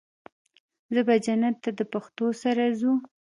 زه به جنت ته د پښتو سره ځو